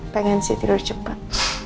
pengen sih tidur cepat